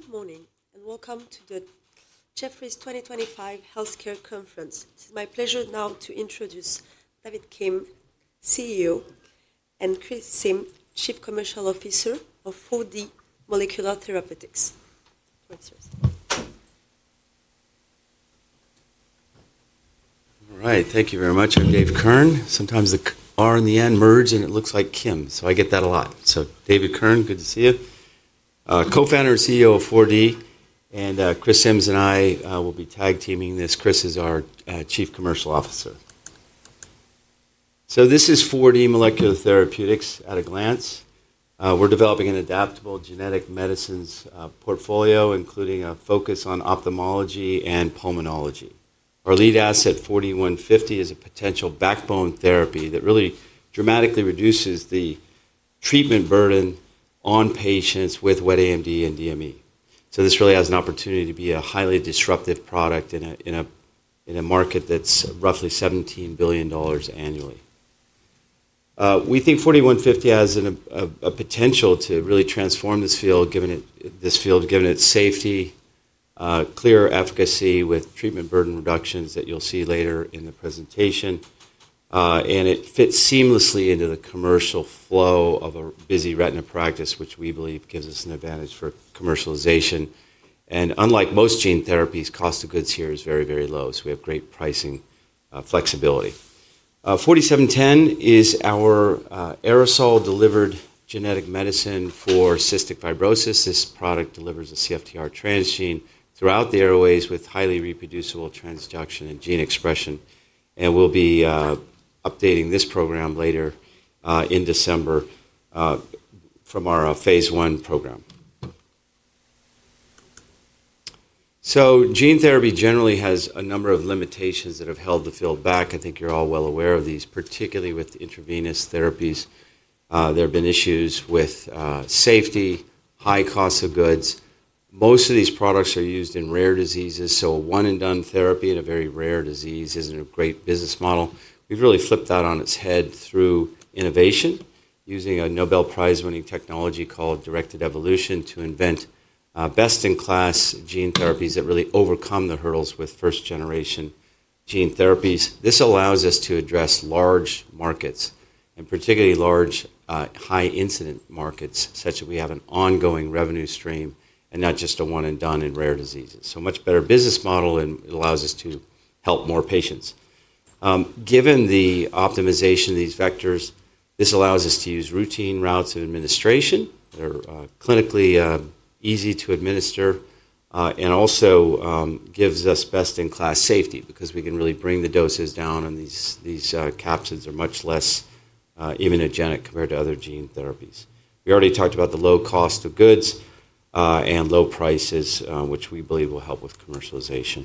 Good morning and welcome to the Jefferies 2025 Healthcare Conference. It's my pleasure now to introduce David Kirn, CEO, and Chris Simms, Chief Commercial Officer of 4D Molecular Therapeutics. All right, thank you very much. I'm David Kirn. Sometimes the R and the N merge and it looks like Kim, so I get that a lot. So, David Kirn, good to see you. Co-founder and CEO of 4D, and Chris Simms and I will be tag teaming this. Chris is our Chief Commercial Officer. This is 4D Molecular Therapeutics at a glance. We're developing an adaptable genetic medicines portfolio, including a focus on ophthalmology and pulmonology. Our lead asset, 4D-150, is a potential backbone therapy that really dramatically reduces the treatment burden on patients with wet AMD and DME. This really has an opportunity to be a highly disruptive product in a market that's roughly $17 billion annually. We think 4D-150 has a potential to really transform this field, given its safety, clear efficacy with treatment burden reductions that you'll see later in the presentation, and it fits seamlessly into the commercial flow of a busy retina practice, which we believe gives us an advantage for commercialization. Unlike most gene therapies, cost of goods here is very, very low, so we have great pricing flexibility. 4D-710 is our aerosol-delivered genetic medicine for cystic fibrosis. This product delivers a CFTR transgene throughout the airways with highly reproducible transduction and gene expression, and we'll be updating this program later in December from our phase I program. Gene therapy generally has a number of limitations that have held the field back. I think you're all well aware of these, particularly with intravenous therapies. There have been issues with safety, high cost of goods. Most of these products are used in rare diseases, so a one-and-done therapy in a very rare disease isn't a great business model. We've really flipped that on its head through innovation, using a Nobel Prize-winning technology called directed evolution to invent best-in-class gene therapies that really overcome the hurdles with first-generation gene therapies. This allows us to address large markets, and particularly large, high-incident markets, such that we have an ongoing revenue stream and not just a one-and-done in rare diseases. A much better business model, and it allows us to help more patients. Given the optimization of these vectors, this allows us to use routine routes of administration that are clinically easy to administer, and also gives us best-in-class safety because we can really bring the doses down, and these capsules are much less immunogenic compared to other gene therapies. We already talked about the low cost of goods and low prices, which we believe will help with commercialization.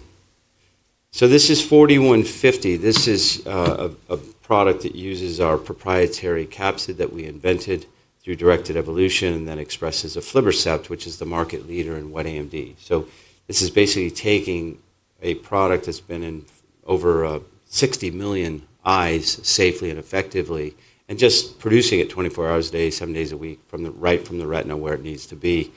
This is 4D-150. This is a product that uses our proprietary capsule that we invented through directed evolution and then expresses aflibercept, which is the market leader in wet AMD. This is basically taking a product that's been in over 60 million eyes safely and effectively and just producing it 24 hours a day, seven days a week, right from the retina where it needs to be,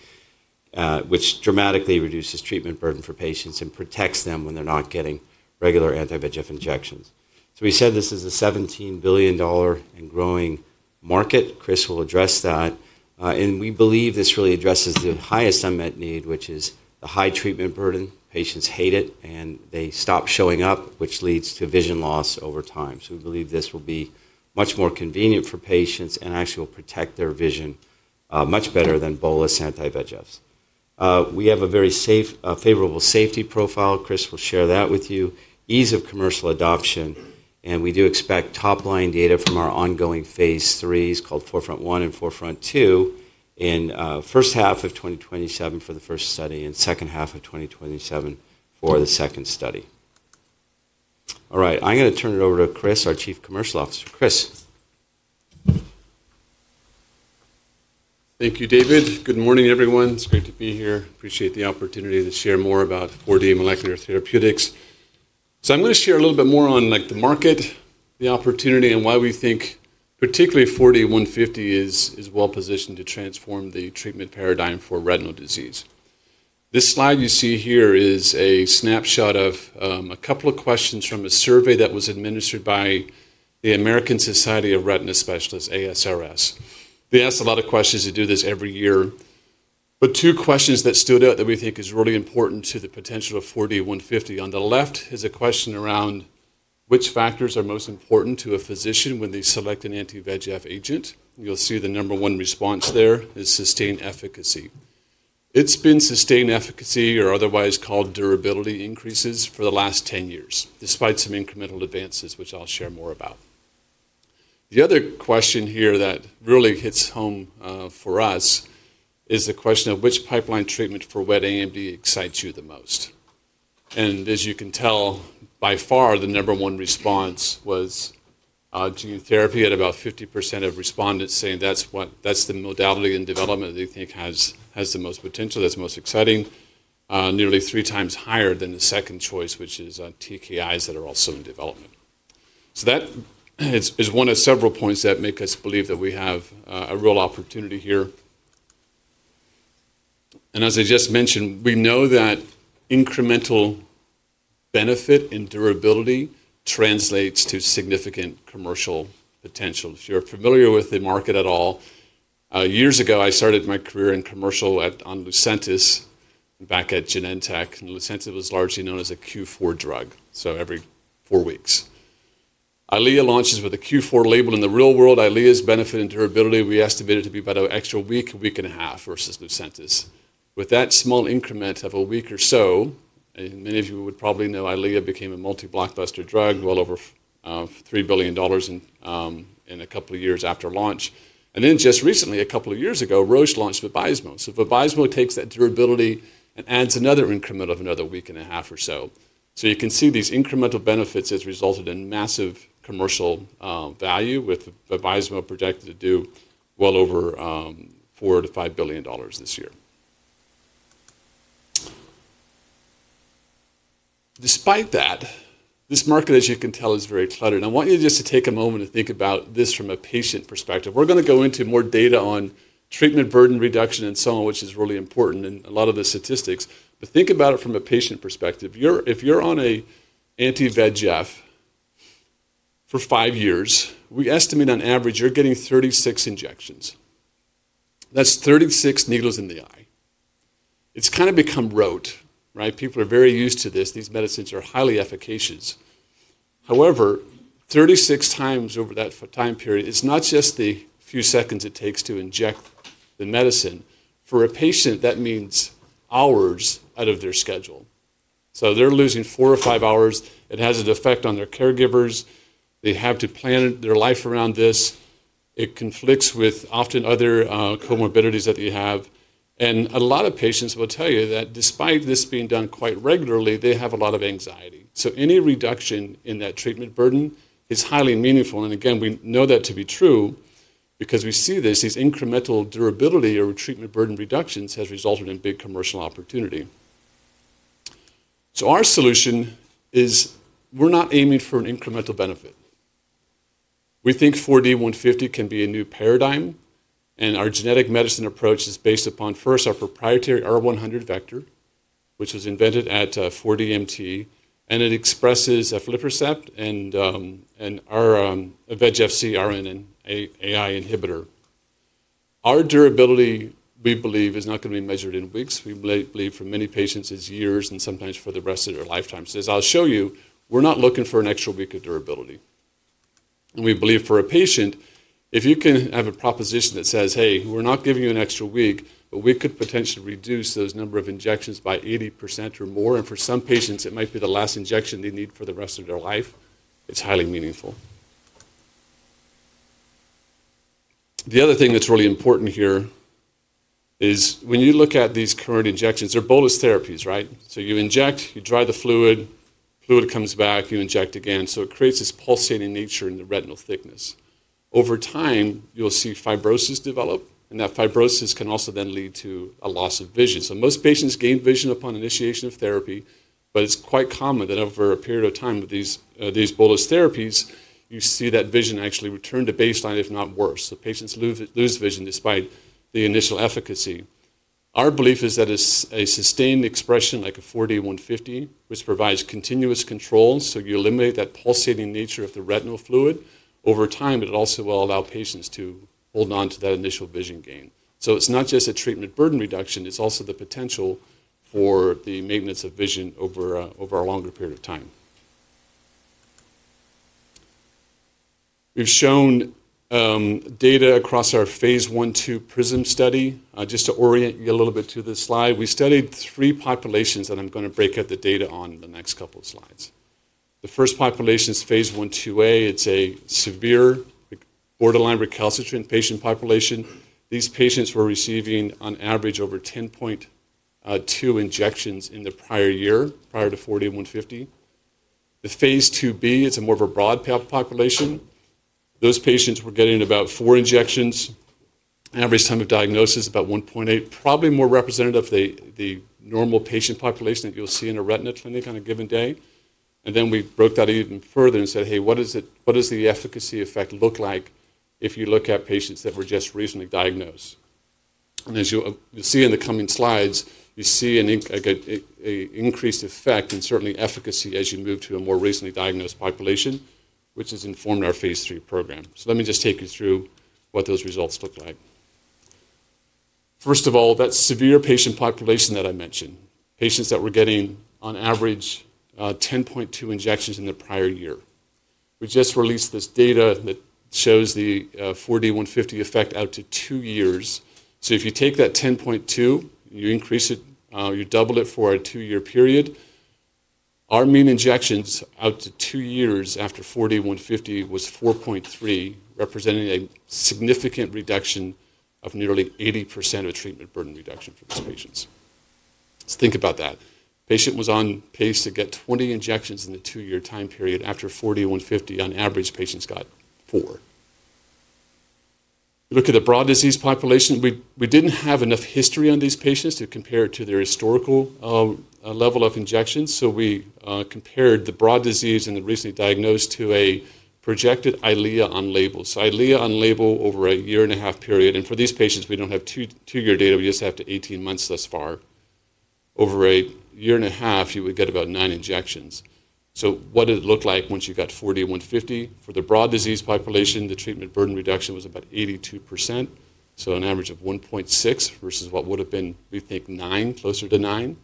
which dramatically reduces treatment burden for patients and protects them when they're not getting regular anti-VEGF injections. We said this is a $17 billion and growing market. Chris will address that. We believe this really addresses the highest unmet need, which is the high treatment burden. Patients hate it, and they stop showing up, which leads to vision loss over time. We believe this will be much more convenient for patients and actually will protect their vision much better than bolus anti-VEGFs. We have a very favorable safety profile. Chris will share that with you. Ease of commercial adoption, and we do expect top-line data from our ongoing phase IIIs called 4FRONT-1 and 4FRONT-2 in the first half of 2027 for the first study and the second half of 2027 for the second study. All right, I'm going to turn it over to Chris, our Chief Commercial Officer. Chris. Thank you, David. Good morning, everyone. It's great to be here. Appreciate the opportunity to share more about 4D Molecular Therapeutics. I'm going to share a little bit more on the market, the opportunity, and why we think particularly 4D-150 is well-positioned to transform the treatment paradigm for retinal disease. This slide you see here is a snapshot of a couple of questions from a survey that was administered by the American Society of Retina Specialists, ASRS. They ask a lot of questions. They do this every year. Two questions that stood out that we think are really important to the potential of 4D-150. On the left is a question around which factors are most important to a physician when they select an anti-VEGF agent. You'll see the number one response there is sustained efficacy. It's been sustained efficacy, or otherwise called durability increases, for the last 10 years, despite some incremental advances, which I'll share more about. The other question here that really hits home for us is the question of which pipeline treatment for wet AMD excites you the most. As you can tell, by far, the number one response was gene therapy at about 50% of respondents saying that's the modality in development that they think has the most potential, that's most exciting, nearly three times higher than the second choice, which is TKIs that are also in development. That is one of several points that make us believe that we have a real opportunity here. As I just mentioned, we know that incremental benefit and durability translates to significant commercial potential. If you're familiar with the market at all, years ago I started my career in commercial on Lucentis back at Genentech, and Lucentis was largely known as a Q4 drug, so every four weeks. Eylea launches with a Q4 label in the real world. Eylea's benefit and durability we estimated to be about an extra week, a week and a half versus Lucentis. With that small increment of a week or so, and many of you would probably know Eylea became a multi-blockbuster drug, well over $3 billion in a couple of years after launch. Just recently, a couple of years ago, Roche launched Vabysmo. Vabysmo takes that durability and adds another increment of another week and a half or so. You can see these incremental benefits have resulted in massive commercial value, with Vabysmo projected to do well over $4 billion-$5 billion this year. Despite that, this market, as you can tell, is very cluttered. I want you just to take a moment to think about this from a patient perspective. We are going to go into more data on treatment burden reduction and so on, which is really important in a lot of the statistics. Think about it from a patient perspective. If you are on an anti-VEGF for five years, we estimate on average you are getting 36 injections. That is 36 needles in the eye. It has kind of become rote, right? People are very used to this. These medicines are highly efficacious. However, 36 times over that time period, it is not just the few seconds it takes to inject the medicine. For a patient, that means hours out of their schedule. They're losing four or five hours. It has an effect on their caregivers. They have to plan their life around this. It conflicts with often other comorbidities that they have. A lot of patients will tell you that despite this being done quite regularly, they have a lot of anxiety. Any reduction in that treatment burden is highly meaningful. We know that to be true because we see these incremental durability or treatment burden reductions have resulted in big commercial opportunity. Our solution is we're not aiming for an incremental benefit. We think 4D-150 can be a new paradigm, and our genetic medicine approach is based upon first our proprietary R100 vector, which was invented at 4DMT, and it expresses aflibercept and our VEGF-C and AI inhibitor. Our durability, we believe, is not going to be measured in weeks. We believe for many patients it's years and sometimes for the rest of their lifetime. As I'll show you, we're not looking for an extra week of durability. We believe for a patient, if you can have a proposition that says, "Hey, we're not giving you an extra week, but we could potentially reduce those number of injections by 80% or more," and for some patients, it might be the last injection they need for the rest of their life, it's highly meaningful. The other thing that's really important here is when you look at these current injections, they're bolus therapies, right? You inject, you dry the fluid, fluid comes back, you inject again. It creates this pulsating nature in the retinal thickness. Over time, you'll see fibrosis develop, and that fibrosis can also then lead to a loss of vision. Most patients gain vision upon initiation of therapy, but it's quite common that over a period of time with these bolus therapies, you see that vision actually return to baseline, if not worse. Patients lose vision despite the initial efficacy. Our belief is that it's a sustained expression like a 4D-150, which provides continuous control. You eliminate that pulsating nature of the retinal fluid over time, but it also will allow patients to hold on to that initial vision gain. It's not just a treatment burden reduction, it's also the potential for the maintenance of vision over a longer period of time. We've shown data across our phase I/II PRISM study. Just to orient you a little bit to this slide, we studied three populations that I'm going to break out the data on in the next couple of slides. The first population is phase I/II-A. It's a severe, borderline recalcitrant patient population. These patients were receiving on average over 10.2 injections in the prior year, prior to 4D-150. The phase II-B, it's a more broad population. Those patients were getting about four injections. Average time of diagnosis is about 1.8, probably more representative of the normal patient population that you'll see in a retina clinic on a given day. Then we broke that even further and said, "Hey, what does the efficacy effect look like if you look at patients that were just recently diagnosed?" As you'll see in the coming slides, you see an increased effect and certainly efficacy as you move to a more recently diagnosed population, which has informed our phase III program. Let me just take you through what those results look like. First of all, that severe patient population that I mentioned, patients that were getting on average 10.2 injections in the prior year. We just released this data that shows the 4D-150 effect out to two years. If you take that 10.2, you increase it, you double it for a two-year period, our mean injections out to two years after 4D-150 was 4.3, representing a significant reduction of nearly 80% of treatment burden reduction for these patients. Let's think about that. A patient was on pace to get 20 injections in the two-year time period. After 4D-150, on average, patients got four. We look at the broad disease population. We didn't have enough history on these patients to compare it to their historical level of injections. So, we compared the broad disease and the recently diagnosed to a projected Eylea on label. Eylea on label over a year and a half period. For these patients, we don't have two-year data. We just have to 18 months thus far. Over a year and a half, you would get about nine injections. What did it look like once you got 4D-150? For the broad disease population, the treatment burden reduction was about 82%. An average of 1.6 versus what would have been, we think, nine, closer to nine.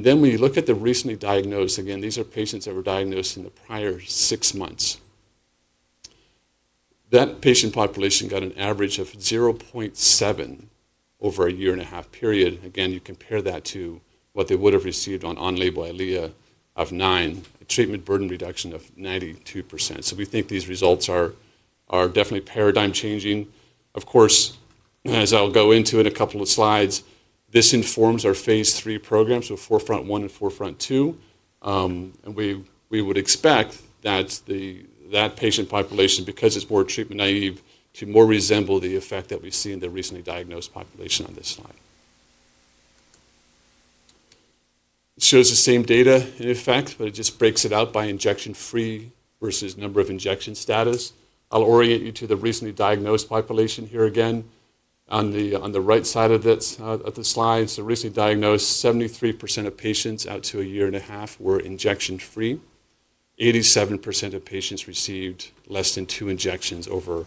Then when you look at the recently diagnosed, again, these are patients that were diagnosed in the prior six months. That patient population got an average of 0.7 over a year and a half period. Again, you compare that to what they would have received on on-label Eylea of nine, a treatment burden reduction of 92%. We think these results are definitely paradigm changing. Of course, as I'll go into in a couple of slides, this informs our phase III program, so 4FRONT-1 and 4FRONT-2. We would expect that patient population, because it's more treatment naive, to more resemble the effect that we see in the recently diagnosed population on this slide. It shows the same data in effect, but it just breaks it out by injection-free versus number of injection status. I'll orient you to the recently diagnosed population here again. On the right side of the slide, so recently diagnosed, 73% of patients out to a year and a half were injection-free. 87% of patients received less than two injections over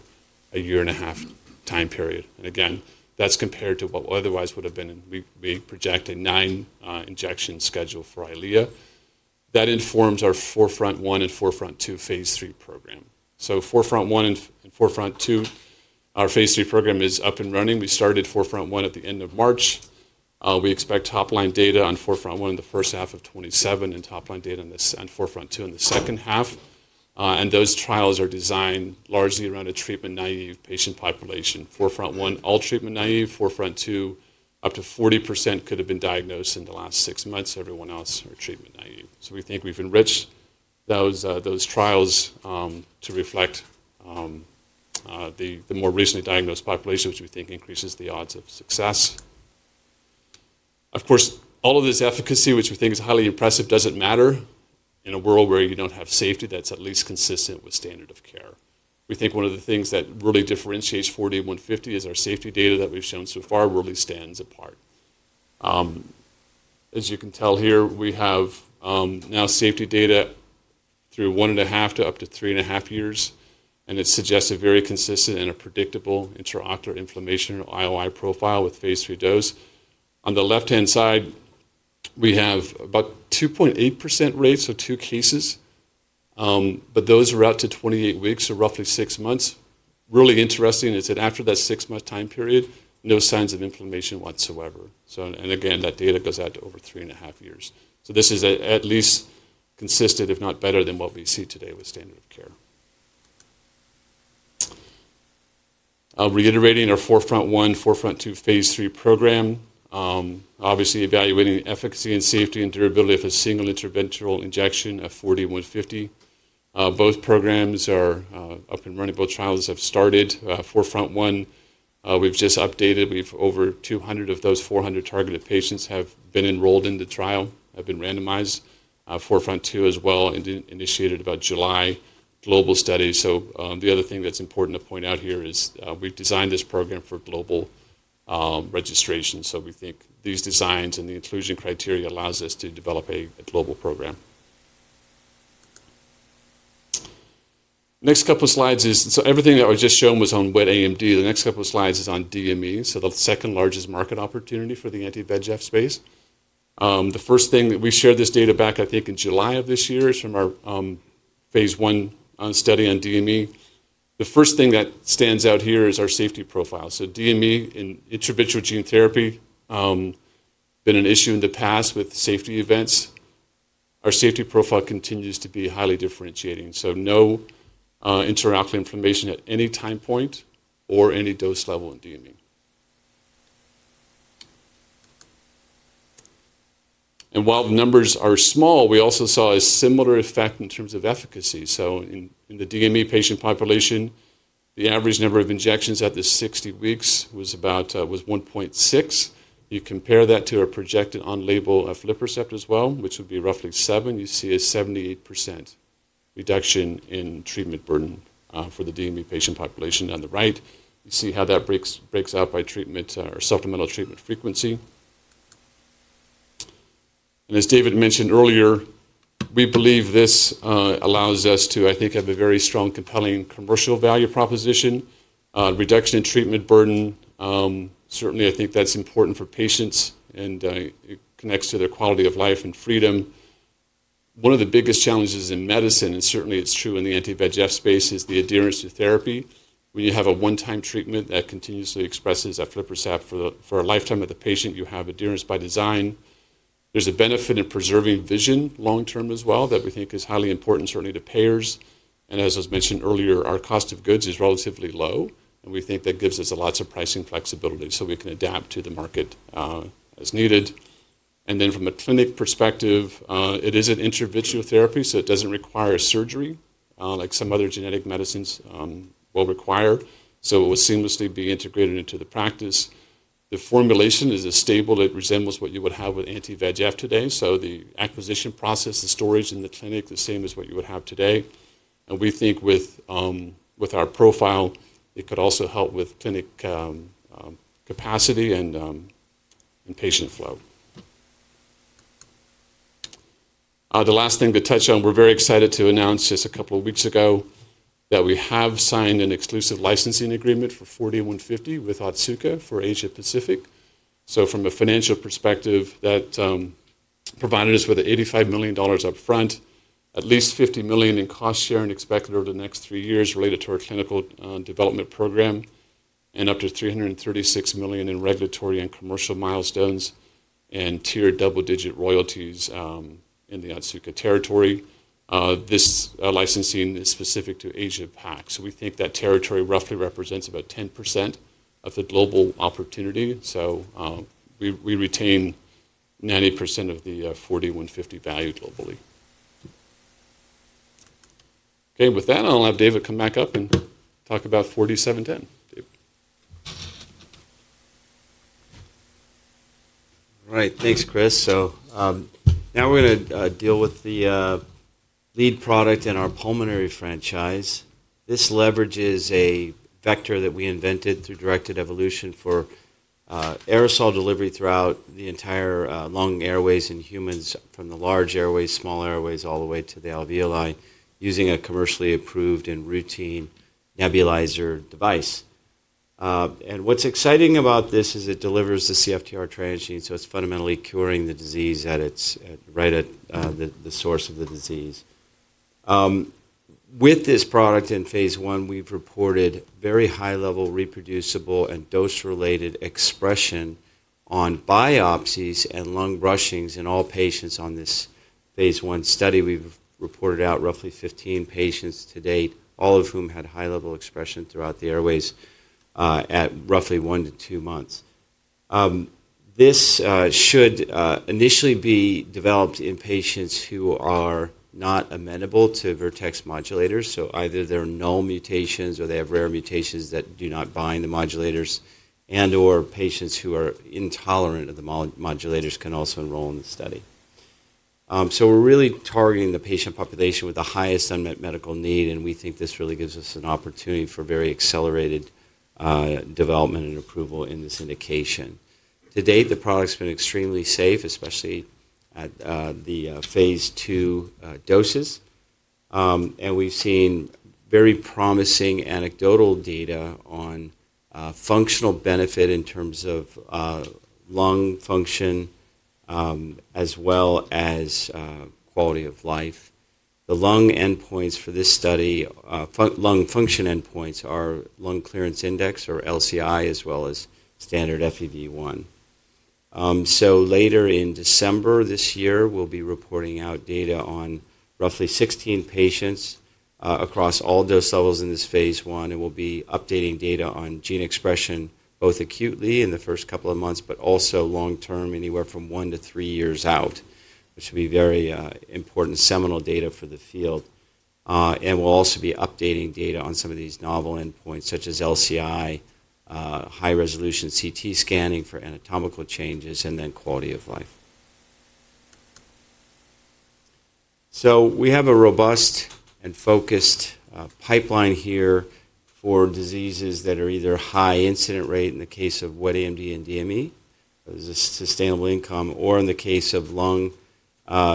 a year and a half time period. Again, that's compared to what otherwise would have been, and we project a nine-injection schedule for Eylea. That informs our 4FRONT-1 and 4FRONT-2 phase III program. 4FRONT-1 and 4FRONT-2, our phase III program is up and running. We started 4FRONT-1 at the end of March. We expect top-line data on 4FRONT-1 in the first half of 2027 and top-line data on 4FRONT-2 in the second half. Those trials are designed largely around a treatment-naive patient population. 4FRONT-1, all treatment-naive. 4FRONT-2, up to 40% could have been diagnosed in the last six months. Everyone else are treatment-naive. We think we've enriched those trials to reflect the more recently diagnosed populations, which we think increases the odds of success. Of course, all of this efficacy, which we think is highly impressive, does not matter in a world where you do not have safety that is at least consistent with standard of care. We think one of the things that really differentiates 4D-150 is our safety data that we have shown so far really stands apart. As you can tell here, we have now safety data through one and a half to up to three and a half years, and it suggests a very consistent and a predictable intraocular inflammation IOI profile with phase III dose. On the left-hand side, we have about 2.8% rates, so two cases, but those are out to 28 weeks, so roughly six months. Really interesting is that after that six-month time period, no signs of inflammation whatsoever. So, and again, that data goes out to over three and a half years. So, this is at least consistent, if not better than what we see today with standard of care. I'm reiterating our 4FRONT-1, 4FRONT-2 phase III program, obviously evaluating efficacy and safety and durability of a single interventional injection at 4D-150. Both programs are up and running. Both trials have started. 4FRONT-1, we've just updated. We've over 200 of those 400 targeted patients have been enrolled in the trial, have been randomized. 4FRONT-2 as well initiated about July global study. So, the other thing that's important to point out here is we've designed this program for global registration. So, we think these designs and the inclusion criteria allows us to develop a global program. Next couple of slides is, so everything that was just shown was on wet AMD. The next couple of slides is on DME, so the second largest market opportunity for the anti-VEGF space. The first thing that we shared this data back, I think, in July of this year is from our phase I study on DME. The first thing that stands out here is our safety profile. So, DME in intravitreal gene therapy has been an issue in the past with safety events. Our safety profile continues to be highly differentiating. No intraocular inflammation at any time point or any dose level in DME. And while the numbers are small, we also saw a similar effect in terms of efficacy. In the DME patient population, the average number of injections at the 60 weeks was about 1.6. You compare that to our projected on-label aflibercept as well, which would be roughly seven. You see a 78% reduction in treatment burden for the DME patient population. On the right, you see how that breaks out by treatment or supplemental treatment frequency. As David mentioned earlier, we believe this allows us to, I think, have a very strong, compelling commercial value proposition. Reduction in treatment burden, certainly I think that is important for patients and it connects to their quality of life and freedom. One of the biggest challenges in medicine, and certainly it is true in the anti-VEGF space, is the adherence to therapy. When you have a one-time treatment that continuously expresses aflibercept for a lifetime of the patient, you have adherence by design. There is a benefit in preserving vision long-term as well that we think is highly important, certainly to payers. As was mentioned earlier, our cost of goods is relatively low, and we think that gives us a lot of pricing flexibility so we can adapt to the market as needed. From a clinic perspective, it is an intravitreal therapy, so it does not require surgery like some other genetic medicines will require. It will seamlessly be integrated into the practice. The formulation is as stable. It resembles what you would have with anti-VEGF today. The acquisition process, the storage in the clinic, the same as what you would have today. We think with our profile, it could also help with clinic capacity and patient flow. The last thing to touch on, we are very excited to announce just a couple of weeks ago that we have signed an exclusive licensing agreement for 4D-150 with Otsuka for Asia Pacific. From a financial perspective, that provided us with $85 million upfront, at least $50 million in cost sharing expected over the next three years related to our clinical development program, and up to $336 million in regulatory and commercial milestones and tiered double-digit royalties in the Otsuka territory. This licensing is specific to Asia-PAC. We think that territory roughly represents about 10% of the global opportunity. We retain 90% of the 4D-150 value globally. Okay, with that, I'll have David come back up and talk about 4D-710. David? All right, thanks, Chris. Now we're going to deal with the lead product in our pulmonary franchise. This leverages a vector that we invented through directed evolution for aerosol delivery throughout the entire lung airways in humans from the large airways, small airways, all the way to the alveoli using a commercially approved and routine nebulizer device. What's exciting about this is it delivers the CFTR trans gene, so it's fundamentally curing the disease right at the source of the disease. With this product in phase I, we've reported very high-level, reproducible, and dose-related expression on biopsies and lung brushings in all patients on this phase I study. We've reported out roughly 15 patients to date, all of whom had high-level expression throughout the airways at roughly one to two months. This should initially be developed in patients who are not amenable to Vertex modulators. Either there are no mutations or they have rare mutations that do not bind the modulators, and/or patients who are intolerant of the modulators can also enroll in the study. We're really targeting the patient population with the highest unmet medical need, and we think this really gives us an opportunity for very accelerated development and approval in this indication. To date, the product's been extremely safe, especially at the phase II doses. We've seen very promising anecdotal data on functional benefit in terms of lung function as well as quality of life. The lung endpoints for this study, lung function endpoints, are lung clearance index or LCI as well as standard FEV1. Later in December this year, we'll be reporting out data on roughly 16 patients across all dose levels in this phase I. We'll be updating data on gene expression both acutely in the first couple of months, but also long-term anywhere from one to three years out, which will be very important seminal data for the field. We'll also be updating data on some of these novel endpoints such as LCI, high-resolution CT scanning for anatomical changes, and then quality of life. We have a robust and focused pipeline here for diseases that are either high incident rate in the case of wet AMD and DME, sustainable income, or in the case of lung,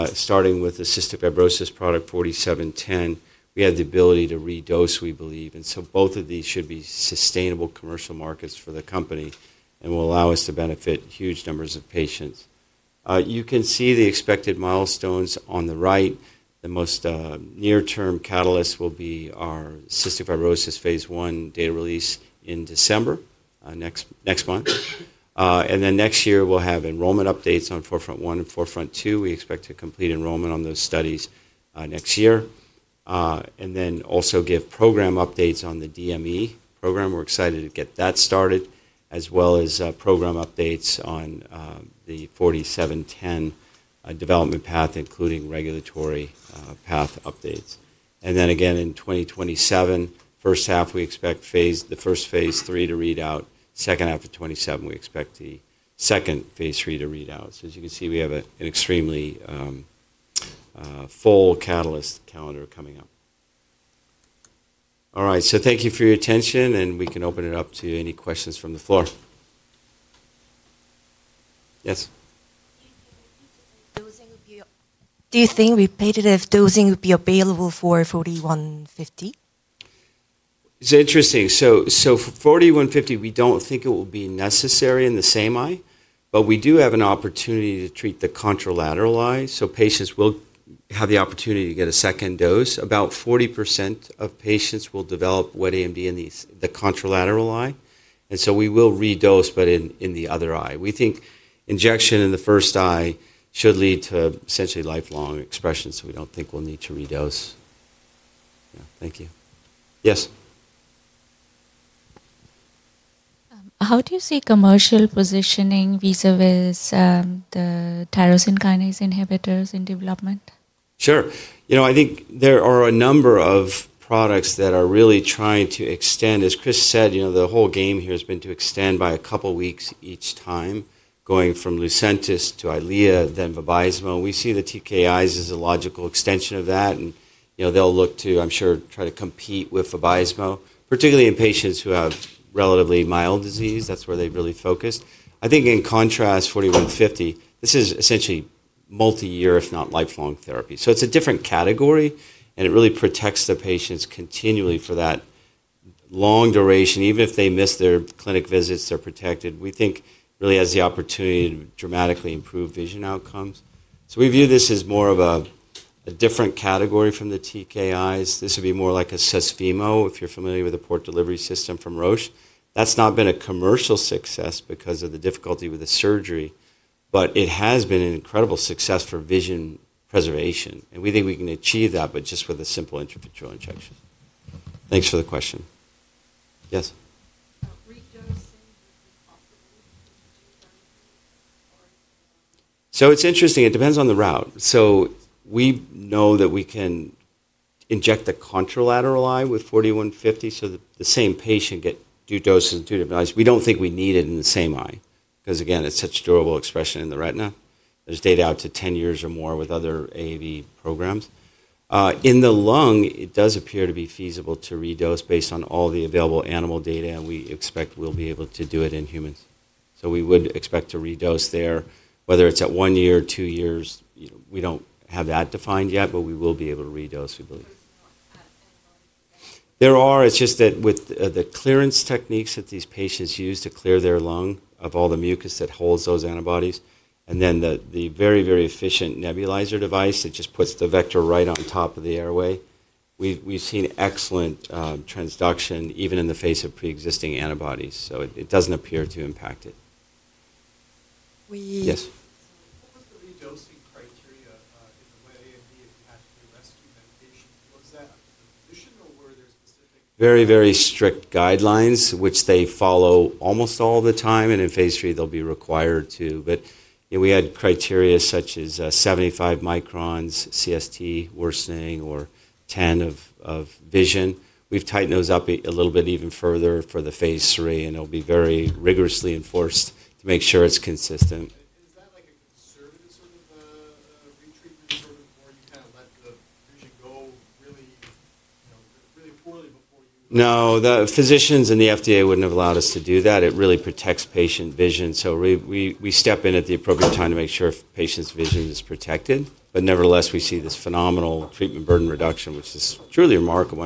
starting with the cystic fibrosis product 4D-710, we have the ability to redose, we believe. Both of these should be sustainable commercial markets for the company and will allow us to benefit huge numbers of patients. You can see the expected milestones on the right. The most near-term catalyst will be our cystic fibrosis phase I data release in December, next month. Next year, we'll have enrollment updates on 4FRONT-1 and 4FRONT-2. We expect to complete enrollment on those studies next year. We will also give program updates on the DME program. We're excited to get that started, as well as program updates on the 4D-710 development path, including regulatory path updates. Again, in 2027, first half, we expect the first phase III to read out. Second half of 2027, we expect the second phase III to read out. As you can see, we have an extremely full catalyst calendar coming up. All right, thank you for your attention, and we can open it up to any questions from the floor. Yes? Do you think repetitive dosing would be available for 4D-150? It's interesting. For 4D-150, we don't think it will be necessary in the same eye, but we do have an opportunity to treat the contralateral eye. Patients will have the opportunity to get a second dose. About 40% of patients will develop wet AMD in the contralateral eye. We will redose, but in the other eye. We think injection in the first eye should lead to essentially lifelong expression, so we don't think we'll need to redose. Yeah, thank you. Yes. How do you see commercial positioning vis-à-vis the tyrosine kinase inhibitors in development? Sure. You know, I think there are a number of products that are really trying to extend. As Chris said, you know, the whole game here has been to extend by a couple of weeks each time, going from Lucentis to Eylea, then Vabysmo. We see the TKIs as a logical extension of that, and they'll look to, I'm sure, try to compete with Vabysmo, particularly in patients who have relatively mild disease. That's where they've really focused. I think in contrast, 4D-150, this is essentially multi-year, if not lifelong therapy. It is a different category, and it really protects the patients continually for that long duration. Even if they miss their clinic visits, they're protected. We think it really has the opportunity to dramatically improve vision outcomes. We view this as more of a different category from the TKIs. This would be more like a Susvimo, if you're familiar with the port delivery system from Roche. That's not been a commercial success because of the difficulty with the surgery, but it has been an incredible success for vision preservation. We think we can achieve that, but just with a simple intravitreal injection. Thanks for the question. Yes? It's interesting. It depends on the route. We know that we can inject the contralateral eye with 4D-150, so the same patient gets two doses and two nebulizers. We don't think we need it in the same eye because, again, it's such durable expression in the retina. There's data out to 10 years or more with other AAV programs. In the lung, it does appear to be feasible to redose based on all the available animal data, and we expect we'll be able to do it in humans. We would expect to redose there, whether it's at one year or two years. We don't have that defined yet, but we will be able to redose, we believe. There are, it's just that with the clearance techniques that these patients use to clear their lung of all the mucus that holds those antibodies, and then the very, very efficient nebulizer device that just puts the vector right on top of the airway, we've seen excellent transduction even in the face of pre-existing antibodies. It doesn't appear to impact it. Yes? What was the redosing criteria in the wet AMD if you had to [rescue] medication? Was that up to the physician or [were there specific guidelines]? Very, very strict guidelines, which they follow almost all the time. In phase III, they'll be required to. We had criteria such as 75 microns CST worsening or 10 of vision. We've tightened those up a little bit even further for the phase III, and it'll be very rigorously enforced to make sure it's consistent. No, the physicians and the FDA wouldn't have allowed us to do that. It really protects patient vision. We step in at the appropriate time to make sure patient's vision is protected. Nevertheless, we see this phenomenal treatment burden reduction, which is truly remarkable.